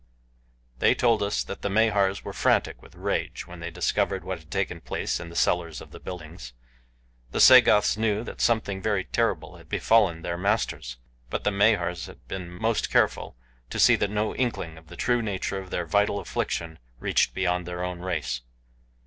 They told us that the Mahars were frantic with rage when they discovered what had taken place in the cellars of the buildings. The Sagoths knew that something very terrible had befallen their masters, but the Mahars had been most careful to see that no inkling of the true nature of their vital affliction reached beyond their own race.